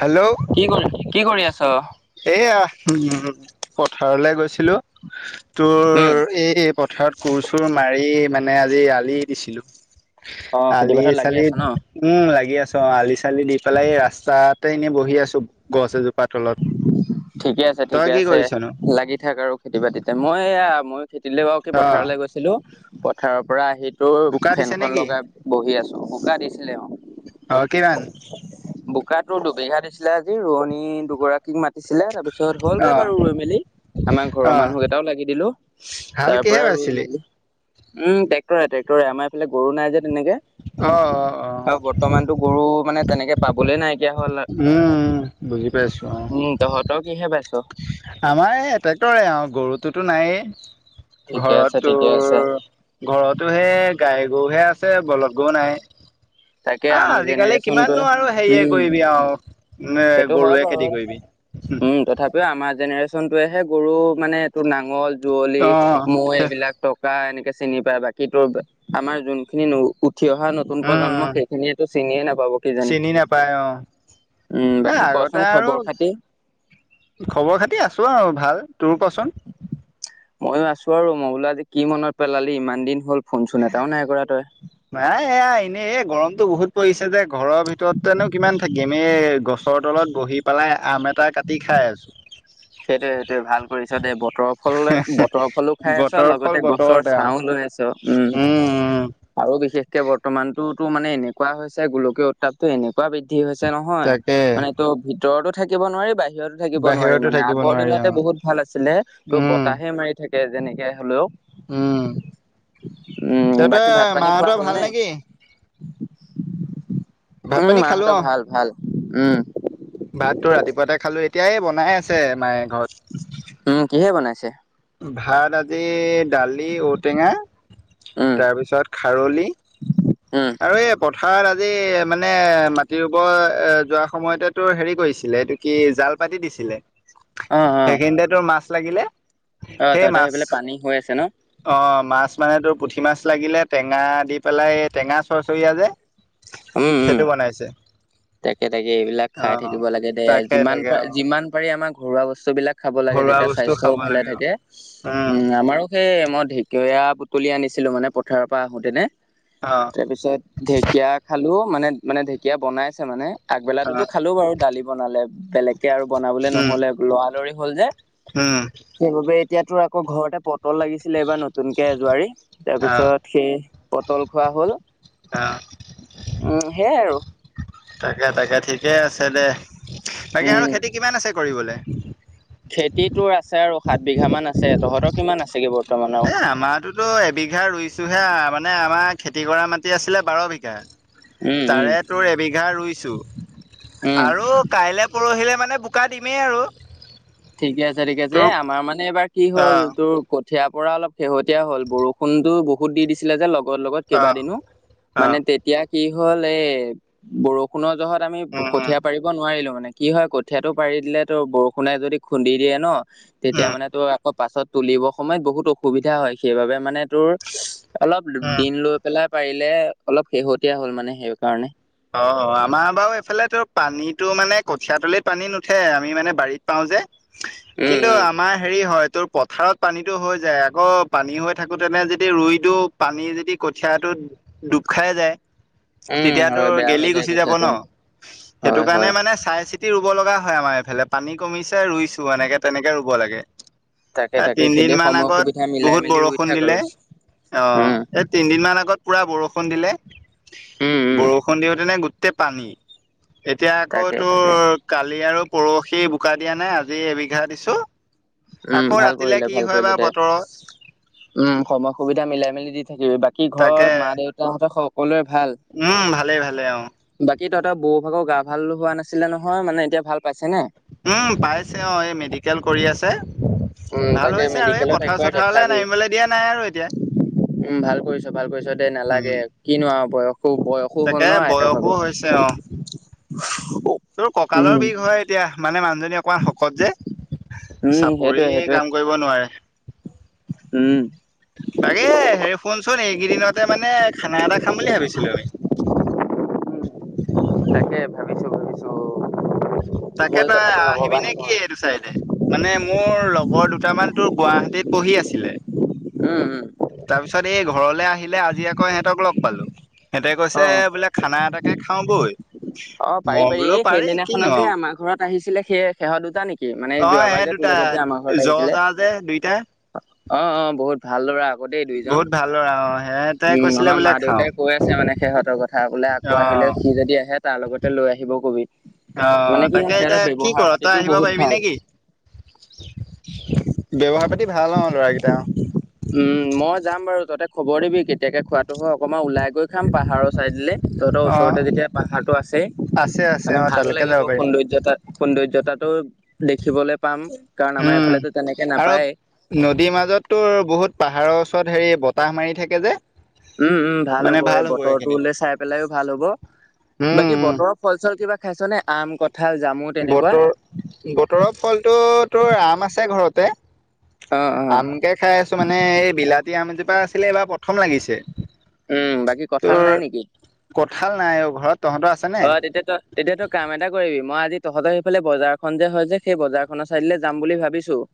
Hello. কি কৰি, কি কৰি আছ? এয়া উ পথাৰলে গৈছিলো তোৰ এই পথাৰত কোৰ চোৰ মাৰি মানে আজি আলি দিছিলো। অ খেতি আলি পথাৰত লাগি চালি আছ ন উম লাগি আছো অ', আলি চালি দি পেলাই এই ৰাস্তাতে এনেই বহি আছো গছ এজোপাৰ তলত ঠিকে আছে, তই ঠিকে কি আছে কৰিছনো লাগি থাক আৰু খেতি বাতিতে মইয়া মই থেতিলে বাও কি অ পথাৰলৈ গৈছিলোঁ পথাৰৰ পৰা আহি তোৰ বোকা দিছে ফেনখন নেকি লগাই বহি আছোঁ শুকাহ দিছিলে অ'। অ কিমান বোকা দুবিঘা দিছিলে আজি ৰোৱনী দুগৰাকীক মাতি দিছিলে তাৰ পিছত অ হ'লগে বাৰু ৰই মেলি আমাৰ ঘৰৰ অ মানুহকেইটাও লাগি দিলো হাল তাৰ কিহে পৰা ই বাইছিলি মেলি উম, ট্ৰেক্টৰে ট্ৰেক্টৰে আমাৰফাল গৰু নাই যে তেনেকে অ'। অ আৰু বৰ্তমানতো গৰু মানে তেনেকে পাবলে নাইকিয়া হল। উম, উম বুজি পাইছো অ'। উম তহঁতৰ কিহে বাইছ। আমাৰ ট্ৰেক্টৰে আৰু গৰুটোতো নাইে ঠিকে আছে ঘৰতো ঠিকে আছে ঘৰতো হে গাই গৰুহে আছে বলধ গৰু নাই। তাকে আহ আমি আজিকালি জেনেৰেশ্যনটোৱে কিমাননো আৰু হেৰিয়ে উম কৰিবি আৰু ন সেইটো হয় গৰুৱে বাৰু খেতি কৰিবি। উম তথাপিও আমাৰ জেনেৰেশচনটোৱেহে গৰু মানে এইটো নাঙল যুৱলি অ', মৈ এইবিলাক টকা এনেকে চিনি পায় বাকী তো আমাৰ যোনখিনি ন উঠি অহা ন নতুন প্ৰজন্ম সেইখিনিয়ো চিনিয়ে নাপাব কিজানি। সি নাপায় অ'। উম, এ বাকী আগতে কচোন আৰু খবৰ খাতি? খবৰ খাতি আছো আৰু ভাল। তোৰ কচোন? ময়ো আছো আৰু, মই বোলা আজি কি মনত পেলালি ইমান দিন হ'ল ফোনচোন এটাও নাই কৰা তই। নাই এয়া এনেই এই গৰমতটো বহুত পৰিছে যে ঘৰৰ ভিতৰতোনো কিমান থাকিম। এই গছ গছৰ তলত বহি পেলাই আম এটা কাটি খাই আছোঁ। সেইটোৱে সেইটোৱে ভাল কৰিছ দেই, বতৰৰ ফল বতৰ ফলো খাই আছ আৰু বতৰৰ ফল লগতে গছৰ বতৰতে ছাঁ আৰু লৈ আছ। ত উম। আৰু বিশেষকে বৰ্তমানতটোতো মানে এনেকুৱা হৈছে, গোলকীয় উত্তাপটো এনেকুৱ ৱা বৃদ্ধি হৈছে নহয়, তাকে মানে তোৰ ভিতৰতো থাকিব নোৱাৰি বাহিৰতো থাকিব নোৱাৰি। বাহিৰতো মানে থাকিব আগৰ নোৱাৰি অ', দিনতে বহুত ভাল আছিলে ত' উম, বতাহে মাৰি থাকে যেনেকে হলেওঁ উম, তহঁতে বাকী ভাত পানী খোৱা মাহঁতৰ হ'ল ভাল নে নেকি? ভাত উম পানী খালো মাহঁতৰ অ'। ভাল ভাল উম ভাতো ৰাতিপুৱাতে খালো, এতিয়াই বনাই আছে মায়ে ঘৰত। উম কিহে বনাইছে? ভাত আজি দালি, ঔটেঙা, তাৰপিছত খাৰলি অ'। আৰু এই পথাৰত আজি মানে মাটি ৰুবৰ যোৱাৰ সময়তেতোৰ হেৰি কৰিছিলে এইটো কি জাল পাতি দিছিলে। অ অ সেইখিনতে তোৰ মাছ লাগিলে, অ সেই তহঁতৰ মাছ সেইফালে পানী হৈ আছে ন অ' মাছ মানে তোৰ পুঠি মাছ লাগিলে, টেঙা দি পেলাই এই টেঙা চৰচৰীয়া উম যে উম সেইটো বনাইছে। তাকে তাকে এইবিলাক খাই অ', থাকিব লাগে দে, তাকে যিমান তাকে পাৰ অ', যিমান পাৰি আমাৰ ঘৰুৱা বস্তু বিলাক খাব লাগে ঘৰুৱা তেতিয়া বস্তু খাব স্বাস্থ্যও ভালে লাগে অ'। থাকে, উম আমাৰো হেই মই ঢেকীয়ায়া বুটলি আনিছিলো মানে পথাৰৰ পৰা আহোতেনে অ'। তাৰপিছত ঢেকীয়া খালো, মানে মানে ঢেকীয়া বনাইছে মানে অ আগবেলাতোটো খালো বাৰু দালি বনালে, বেলেগকে আৰু বনাবলে উম নহলে লৰালৰি হ'ল যে উম। সেইবাবে, এতিয়াতো আকৌ ঘৰতে পটল লাগিছিলে এইবাৰ নতুনকে এ জাৰি। অ তাৰপিছত সেই পটল খোৱা হ'ল অ' উম, সেইয়াই আৰু তাকে তাকে ঠিকে আছে দে। তাকে আৰু উম। খেতি কিমান আছে কৰিবলৈ? খেতিটোৰ আছে আৰু সাত বিঘা মান আছে, তহঁতৰ কিমান আছেগে বাৰু? এ আমাৰতোটো এবিঘা ৰুইছোহে, মানে আমাৰ খেতি কৰা মাটি আছিলে বাৰ বিঘা। উম, উম, তাৰে তোৰ এবিঘা ৰুইছোঁ উম। আৰু কাইলে পৰহিলে মানে বোকা দিমেই আৰু। ঠিকে আছে ঠিকে আছে। এ তোক আমাৰ মানে এইবাৰ কি অ হ'ল তোৰ ক ঠিয়া পৰা অলপ শেহতীয়া হ'ল, বৰষুণতো বহুত দি দিছিলে যে লগ গত লগত অ কেইবাদিনো অ মানে তেতিয়া কি হ'ল এই বৰষুণৰ জহত তাত আমি উম উম কঠীয়া পাৰিব নোৱাৰিলো, মানে কি হয় কঠীয়াটো পাৰি দিলে তো বৰষুণে যদি খুন্দি দিয়ে ন তেতিয়া উম মানে তোৰ আকৌ পাছত তুলিবৰ সময়ত বহুত অসুবিধা হয় সেইবাবে মানে তোৰ অলপ উম দিন লৈ পেলাই পাৰিলে অলপ শেহতীয়া হ'ল মানে সেই কাৰণে। অ' আমাৰ বাৰু এইফালে তো পানীটো মানে কঠিয়াতলিত পানী নুঠে আমি মানে বাৰীত পাৰো যে। উম কিন্তু উম আ মাৰ হেৰি হয় তোৰ পথাৰত পানীতটো হৈ যায়, আকৌ পানী হৈ থাকোতেনে যদি ৰুই দিওঁ পানী যদি কঠীয়াটো ডুব খাই যায় তেতিয়া উম। হয় বেয়া গেলি হৈ যায় গুচি যাব ন, কঠীয়াটো সেইটো হয় কাৰণে হয় মানে চাই চিত ৰুব লগা হয় আমাৰ এইফালে পানী কমিছে ৰুইছো এনেকে তেনেকে ৰুব লাগে। তাকে তাকে সেইদে তিনিদিন মান সময় আগত সুবিধা মিলাই বহুত মেলি ৰুই বৰষুণ থাক দিলে আৰু অ', উম এই তিনিদিন মান আগত পুৰা বৰষুণ দিলে উম উম বৰষুণ দিওঁতেনে গোটেই পানী এতিয়া আকৌ তাকে তাকে তোৰ কালি আৰু পৰহি বোকা দিয়া নাই আজি এবিঘা দিছো উম আকৌ ভাল ৰাতিলে কৰিলে কি ভাল হয় কৰিলে বা দে বতৰত উম সময় সুবিধা মিলাই মেলি দি থাকিবি বাকী কি ঘৰত তাকে মা দেউতাহঁতে সকলোৰে ভাল উম ভালে ভালে অ বাকী তহঁৰ বৌ ভাগৰ গা ভাল হোৱা নাছিলে নহয় মানে এতিয়া ভাল পাইছে নে উম পাইছে অ', এই মেডিকেল কৰি আছে উম ভাল তাকে হৈছে আৰু এই মেডিকেলত পথাৰ একবাৰ চথাৰলৈ দেখাবি নামিবলৈ দিয়া নাই আৰু এতিয়া উম ভাল কৰিছ ভাল কৰিছ দে উম নালাগে কিনোৱা বয়সো বয়স তাকে বয়সো হৈছে অ'। [inaudible] তোৰ কঁকালৰ উম বিষ হয় এতিয়া মানে মানুহজনী অকমান শকত যে, উম চাপৰি সেইটোৱে সেইটোৱে কাম কৰিব নোৱাৰে। উম। বাগে হে শুনচোন এইকেইদিনতে মানে খানা এটা খাম বুলি ভাবিছিলো আমি। তাকে ভাবিছো ভাবিছো। তাকে মই তই কথাটো আহিবি নভবা নে কি নহয় এইটো চাইডে? মানে মোৰ লগৰ দুটামান তোৰ গুৱাহাটীত পঢ়ি আছিলে। উম, উম। তাৰ পিছত এই ঘৰলে আহিলে আজি আকৌ সিহঁতক লগ পালো, সিহঁতে অ কৈছে অ বোলে খানা এটাকে খাও বৈ। অ' পাৰি মই পাৰি বোলো এই সেইদিনাখনত কিনো যে আৰু আমাৰ ঘৰত আহিছিলে সেই সেহত দুটা নেকি? কি মানে অ যোৱাবাৰ সে যে তোৰ দুটা লগত যে আমাৰ ঘৰত জ আহিছিলে? জা যে দুইটা অ', অ' বহুত ভাল লৰা আকৌ দেই দুইজন। বহুত ভাল ল'ৰা অ সিহঁতে উম কৈছিলে আমাৰ মা বোলে খাওঁ দেউতাই কৈ আছে মানে সিহঁতৰ কথা বোলে আকৌ অ আহিলে সি যদি আহে তাৰ লগতে লৈ আহিব কবি মানে অ' কি হয় তাকে এতিয়া সিহঁতৰ কি ব্যৱহাৰ কৰ তই পাতিটো আহিব বহুত পাৰিবি ভাল নেকি? ব্যৱহাৰ পাতি ভাল অ' ল'ৰাকৰাকেইটা উম, মই যাম বাৰু, তহতে খবৰ দিবি কেতিয়াকে খোৱাটো হয় অকমান ওলাই গৈ খাম পাহাৰৰ চাইদ দিল তহঁতৰ অ ওচৰতে যেতিয়া পাহ ভালটো আছে আছে আছে মানে অ ভালো তালৈকে লাগিব যাব পাৰিম সৌন্দৰ্যতা সৌন্দৰ্যতাটো দেখিবলৈ পাম কাৰণ আমাৰ উম এইফালে টো তেনেকে আৰু নাপায়ে। নদীৰ মাজততো বহুত পাহাৰৰ ওচৰত হেৰি বতাহ মাৰি থাকে যে। উম, উম, ভাল হ'ব এই বতৰটো চাই পেলাইও ভাল হ'ব। উম বাকী উম বতৰ ফল চল কিবা খাইছ নে আম ক ঠাল যামুন বতৰ বতৰৰ ফলটো তোৰ আম আছে ঘৰতে। অ', অ'। আমকে খাই আছো মানে এই বিলাতী আমজোপা আছিলে এইবাৰ প্ৰথম লাগিছে। উম, বাকী কঁঠাল তোৰ নাই নেকি? কঁঠাল নাই অ' ঘৰত। তহঁতৰ আছে? নে হয় তেতিয়া তই তেতিয়াতো কাম এটা কৰিবি মই আজি তহঁতৰ সিফালে বজাৰখন যে হয় যে সেই বজাৰখনৰ চাইডেলে যাম বুলি ভাবিছো।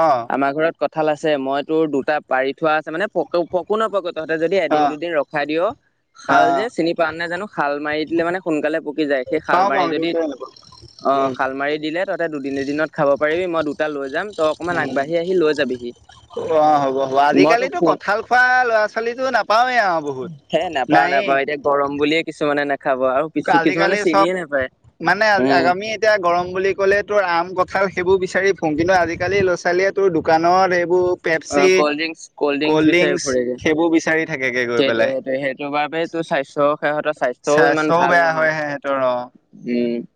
অ'। আমাৰ ঘৰত কঁঠাল আছে মই তোৰ দুটা পাৰি থোৱা আছে মানে ফক ফকো নপকে তহঁতে যদি অ এদিন দুদিন ৰখাই দিয় অ শাল যে চিনি পোৱা নাই জানো শাল মাৰি দিলে মানে সোনকালে পকি যায় সেই পাও পাও শালমাৰি এইটো যদি কিয় নাপাওঁ অ' উম শালমাৰি দিলে তহতে দুদিন এদিনত খাব পাৰিবি, মই দুটা লৈ যাম তই অকমান উম', আগবাঢ়ি আহি লৈ যাবিহি অহ', হ'ব-হ'ব মই তোক আজিকালিটো ফোন কঁঠাল খোৱা ল'ৰা-ছোৱালীতো নাপাওঁৱে আৰু। বহুত হে নাপাওঁ নায়েই নাপাওঁ, এতিয়া গৰম বুলিয়ে কিছুমানে নাখাব আৰু কিছু কিছুমানে আজিকালি চব চিনিয়ে নাপায় মানে উম আগামী এতিয়া গৰম বুলি ক'লে তোৰ আম কঁঠাল সেইবোৰ বিচাৰি ফুৰোঁ কিন্তু আজিকালি ল'ৰা-ছোৱালীয়ে তোৰ দোকানত এইবোৰ পেপচি অহ, কল্ড কল্ডড্ৰিংকছ-কল্ডড্ৰিংকছ বিচাৰি ড্ৰিংকচ ফুৰেগে, সেইবোৰ বিচাৰি থাকেগে গৈ পেলাই সেইটোৱে-সেইটোৱে সেইটো বাবে টো স্বাস্থ্য, সিহঁতৰ স্বাস্থ্যও ইমান ভাল বেয়া নহয়। হয় সিহঁতৰ অ উম,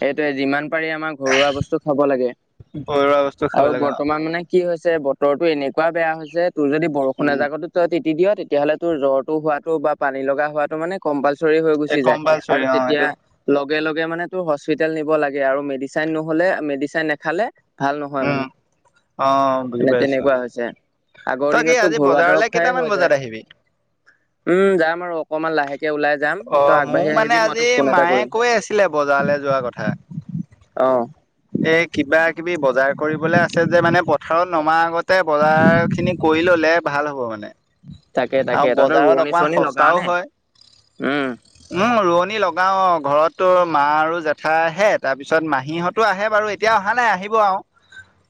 সেইটোৱে যিমান পাৰি আমাৰ ঘৰুৱা বস্তু খাব লাগে। ঘৰুৱা বস্তু খাব আৰু লাগে অ বৰ্তমান মানে কি হৈছে বতৰটো এনেকুৱা বেয়া হৈছে তোৰ যদি বৰষুণ উম এজাকতো তই তিতি দিয়, তেতিয়াহ'লে তোৰ জ্বৰটো হোৱাটো বা পানী লগাহুৱাটো মানে কম্পালচৰি হৈ এই গুচি যায় আৰু কম্পালচৰি অ তেতিয়া এইটো লগে লগে মানে তোৰ হস্পিতেল নিব লাগে আৰু মেডিচাইন নহ'লে মেডিচাইন নেখালে ভাল নহয় মানে। অহ। মানে তেনেকুৱা হৈছে। আগৰ দিনতটো আজি ঘৰুৱা দৰৱ বজাৰলৈ খাইয়ে কেইটামান হৈ যায়। বজাত আহিবি উম, যাম আৰু অকনমান লাহেকে ওলাই যাম অ তই মোৰ আগবাঢ়ি মানে আহিবি মই আজি তোক ফোন এটা মায়ে কৰিম। কৈ আছিলে বজাৰলৈ যোৱা অহ। এ কিবা-কিবি বজাৰ কৰিবলৈ আছে যে মানে পথাৰত নমা আগত আগতে বজাৰখিনি কৰি ল'লে ভাল হ'ব মানে। তাকে আৰু তাকে তহঁতৰ বজাৰত ৰোৱনী অকণমান চোৱনী লগাও সস্তাও নে হয়। উম উম, ৰোৱনী লগাও অহ'। ঘৰতটো মা আৰু জেঠাইহে তাৰপিছত মাহীহঁত তো আহে বাৰু এতিয়া অহা নাই আহিব আৰু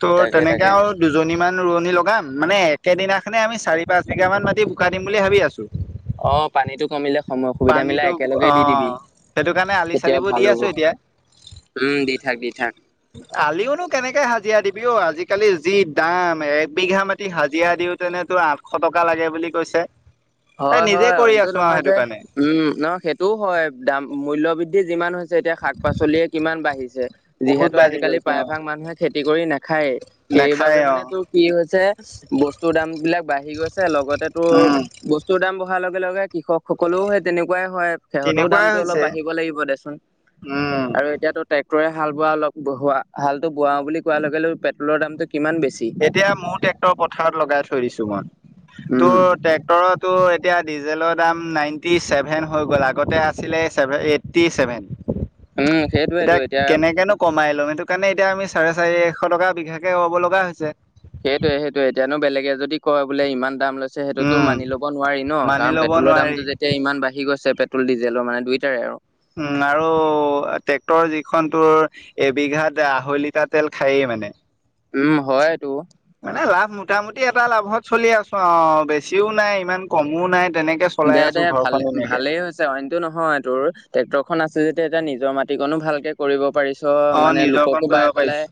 ত' তাকে তেনেকে তাকে আৰু দুজনী মান ৰোৱনী লগাম, মানে একেদিনাখনে আমি চাৰি পাঁচ বিঘা মান মাটি বোকা দিম বুলি ভাবি আছোঁ। অহ, পানীটো কমিলে সময় সুবিধা মিলাই পানীটো একেলগে অ দি দিবি। সেইটো কাৰণে তেতিয়াও আলি-চালিবোৰ ভাল দি হ'ব আছোঁ এতিয়া। উম, দি থাক দি থাক। আলিওনো কেনেকে হাজিৰা দিবি অহ, আজিকালি যি দাম একবিঘা মাটি হাজিৰা দিওঁ তেনেতো আঠশ টকা লাগে বুলি কৈছে। হয় এই নিজে হয় কৰি অইনটো আছোঁ আৰু নহয় যে সেইটো কাৰণে। উম, ন' সেইটোও হয় দাম মূল্য বৃদ্ধি যিমান হৈছে এতিয়া শাক-পাচলিয়ে কিমান বাঢ়িছে বহুত যিহেতু বাঢ়ি আজিকালি প্ৰায়ভাগ মানুহে খেতি কৰি নাখায়েই। নেখায়ে সেইবাবে মানে অহ। তোৰ কি হৈছে বস্তুৰ দাম বিলাক বাঢ়ি গৈছে লগতে তোৰ উম বস্তু বহাৰ লগে লগে কৃষকসকলেও সেই তেনেকুৱাই হয়। সেহঁতৰো তেনেকুৱাই দামটো অলপ হৈছে বাঢ়িব লাগিব দেচোন উম আৰু এতিয়াতো ট্ৰেক্টৰে হাল বোৱা অলপ হোৱা বোৱা, হালটো বোৱাও বুলি কোৱাৰ লগে লগে পেট্ৰলৰ দামটো কিমান বেছি। এতিয়া মোৰ ট্ৰেক্টৰ পথাৰত লগাই থৈ দিছোঁ মই। তো উম। ট্ৰেক্টৰতো এতিয়া ডিজেলৰ দাম নাইণ্টি ছেভেন হৈ গ'ল আগতে আছিলে ছেভ এইট এইটি ছেভেন উম সেইটোয়েতো এতিয়া কেনেকেনো কমাই ল'ম, সেইটো কাৰণে এতিয়া আমি চাৰে চাৰিশ টকা বিঘাকে ল'ব লগা হৈছে। সেইটৱে-সেইটোৱে এতিয়ানো বেলেগে যদি কয় বোলে ইমান দাম লৈছে সেইটোতো উম মানি ল'ব নোৱাৰি ন' মানি কাৰণ ল'ব পেট্ৰলৰ নোৱাৰি দামটো যে এতিয়া ইমান বাঢ়ি গৈছে পেট্ৰল ডিজেলৰ মানে দুইটাৰে আৰু। উম, আৰু ট্ৰেক্টৰযিখন তোৰ এবিঘাত আহৈলিতাৰ তেল খায়েই মানে। উম, হয় এইটো। মানে লাভ মোটামুটি এটা লাভত চলি আছোঁ আও, বেছিও নাই ইমান কমো নাই তেনেকে দে চলাই দে আছোঁ ঘৰখন ভালে এনেকে। ভালেই হৈছে অইনটো নহয় তোৰ টেক্টৰখন আছে যেতিয়া, এতিয়া নিজৰ মাটিকনো ভালকে কৰিব পাৰিছ অ মানে নিজৰকণ লোককো বাই কৰিব পেলাই পাৰিছো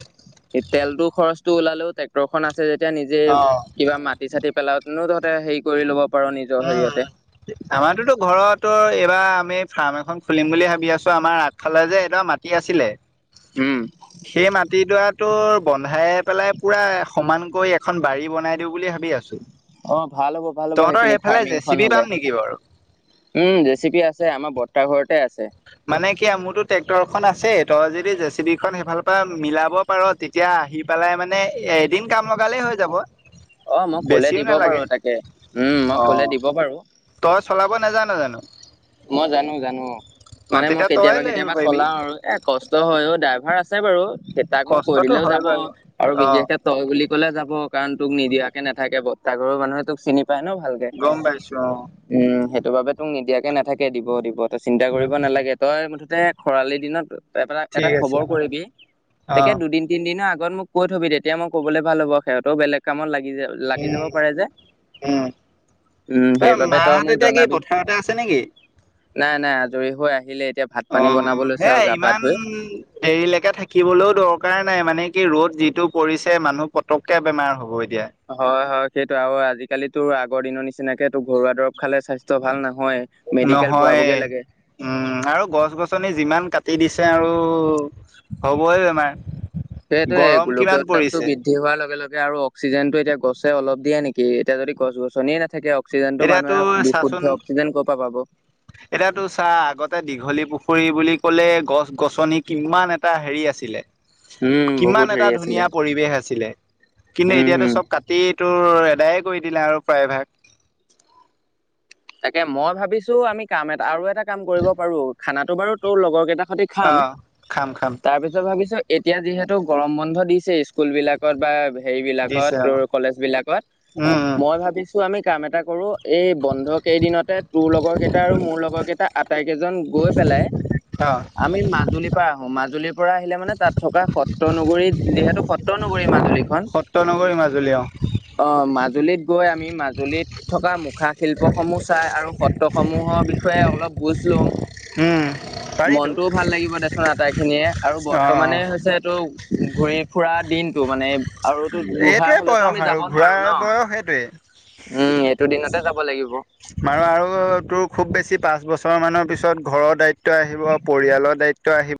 তেলতো খৰচটো ওলালেও টেক টেক্টৰখন আছে যেতিয়া নিজে অ কিবা মাটি-চাতি পেলাওতেনো তহঁতে হেৰি কৰি ল'ব পাৰো নিজৰ হেৰিয়তে। আমাৰতোটো ঘৰতো এইবাৰ আমি ফাৰ্ম এখন খুলিম বুলি ভাবি আছো আমাৰ আগ ফালে যে এডৰ মাটি আছিলে উম। সেই মাটিডৰাটো বন্ধাই পেলাই পুৰা সমানকৈ এখন বাৰী বনাই দিওঁ বুলি ভাবি আছো। অ', ভাল হ'ব, ভাল হ'ব তহঁতৰ সেইখিনি সেইফালে জে চি ফাৰ্মিংখন বি হলে। পাম নেকি বাৰু উম, জেচিপি আছে আমাৰ বৰ্ত্তা ঘৰতে আছে। মানে কি মোৰতো ট্ৰেক্টৰখন আছেই তই যদি জেচিবিখন সেইফালৰ পৰা মিলাব পাৰো, তেতিয়া আহি পেলাই মানে এদিন কাম লগালেই হৈ যাব। অ, মই কলে বেছিও দিব নালাগে বাৰু তাকে, উম অ মই কলে দিব বাৰু। তই চলাব নেজানো জানো? মই জানো-জানো, অ মানে মই তেতিয়া তই লৈ আহিব কেতিয়াবা-কেতিয়াবা পাৰিবি চলাও আৰু। এ কষ্ট হয় অ ড্ৰাইভাৰ আছে বাৰু, তাক মই কৈ কষ্টটো দিলেও হয় যাব বাৰু আৰু অ বিশেষকে তই বুলি ক'লে যাব কাৰণ তোক নিদিয়াকে নাথাকে তাৰ ঘৰৰ মানুহে তোক চিনি পায় ন ভাল কে, গম পাইছো উম, সেইটোবাবে তোক নিদিয়াকে নাথাকে দিব-দিব, তই চিন্তা কৰিব অ নালাগে। তই মুঠতে খৰালি দিনত এটা-এটা ঠিক আছে খবৰ কৰিবি, অ তাকে দুদিন তিনদিনৰ আগত মোক কৈ থবি তেতিয়া মই ক'বলৈ ভাল হ'ব সিহঁতেও বেলেগ কামত লাগি যায়। লাগি যাব উম পাৰে যে। উম উম, ত সেইবাবে তই মাহত মোক এতিয়া কি জনাবি। পথাৰতে আছে নেকি নাই-নাই আজৰি হৈ আহিলে, এতিয়া ভাত পানী বনাব লৈছে আৰু গা-পা ধুই। দেৰিলেকে থাকিবলৈও দৰকাৰ নাই মানে কি ৰ'দ যিটো পৰিছে মানুহ পটককে বেমাৰ হ'ব এতিয়া। হয়, হয়, সেইটো আৰু আজিকালিতো আগৰ দিনৰ নিচিনাকেতো ঘৰুৱা দৰব খালে স্বাস্থ্য ভাল নহয়। মেডিকেল নহয়। পোৱাবগে লাগে উম আৰু গছ-গছনি যিমান কাটি দিছে আৰু হবই বেমাৰ। সেইটোৱে গৰম গোলকীয় কিমান উত্তাপটো পৰিছে। বৃদ্ধি হোৱাৰ লগে-লগে আৰু অক্সিজেনটো এতিয়া গছে অলপ দিয়ে নেকি, এতিয়া যদি গছ-গছনিয়ে নাথাকে অক্সিজেনটো এতিয়াতো মানুহে চাচোন বিশুদ্ধ অক্সিজেন ক'ৰ পৰা পাব। এতিয়াতো চা আগতে দীঘলী পুখুৰী বুলি কলে গছ-গছনি কিমান এটা হেৰি আছিলে। উম কিমান বহুত এটা হেৰি আছিলে ধুনীয়া পৰিৱেশ আছিলে। কিন্তু উম এতিয়াতো হম চব কাটি তোৰ এধায়ে কৰি দিলে আৰু প্ৰায়ভাগ। তাকে মই ভাবিছো আমি কাম এটা আৰু এটা কাম কৰিব পাৰো খানাটো বাৰু তোৰ লগৰ কেইটাৰ সৈতে অ খাম, খাম খাম তাৰপিছত ভাবিছো এতিয়া যিহেতু গৰম বন্ধ দিছে স্কুল বিলাকত বা হেৰি বিলাকত দিছে অ টোৰ কলেজ বিলাকত, উম উম মই ভাবিছো আমি কাম এটা কৰো এই বন্ধ কেইদিনতে তোৰ লগৰ কেইটা আৰু মোৰ লগৰ কেইটা আটাইকেইজন গৈ পেলাই [inaudible] আমি মাজুলীৰ পৰা আহোঁ, মাজুলীৰ পৰা আহিলে মানে তাত থকা সত্ৰ নগৰী যিহেতু সত্ৰনগৰী মাজুলী। সত্ৰ নগৰী মাজুলী অ। অ, মাজুলীত গৈ আমি মাজুলীত থকা মুখা শিল্প চাই আৰু সত্ৰসমূহৰ বিষয়ে অলপ বুজ ল'ম। উম মনটোও ভাল লাগিব দেচোন আটাই খিনিয়ে আৰু অ অ বৰ্তমানে হৈছে এইটো ঘূৰি-ফুৰা দিনতটো মানে আৰু তু বুঢ়া এইটোৱে হলেতো বয়স আমি যাব আৰু নোৱাৰো ন। ঘূৰাৰ বয়স সেইটোৱে উম, এইটো দিনতে যাব লাগিব। মাৰো আৰু তোৰ খুব বেছি পাঁচ বছৰ মানৰ পিছত ঘৰৰ দায়িত ত' আহিব পৰিয়ালৰ দায়িত্ব আহিব।